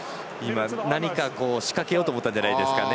何か仕掛けようと思ったんじゃないですかね。